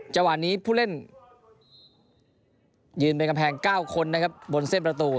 จังหวะนี้ผู้เล่นยืนเป็นกำแพง๙คนนะครับบนเส้นประตู